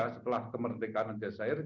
setelah kemerdekaan aljazeera